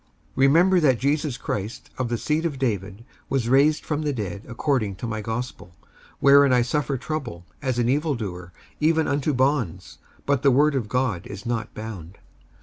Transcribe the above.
55:002:008 Remember that Jesus Christ of the seed of David was raised from the dead according to my gospel: 55:002:009 Wherein I suffer trouble, as an evil doer, even unto bonds; but the word of God is not bound.